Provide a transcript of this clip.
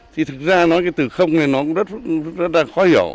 thì thực ra nói cái từ không này nó rất là khó hiểu